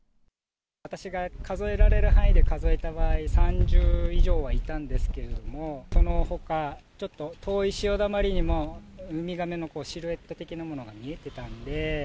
私が数えられる範囲で数えた場合、３０以上はいたんですけれども、そのほか、ちょっと遠い潮だまりにも、ウミガメのシルエット的なものが見えてたんで。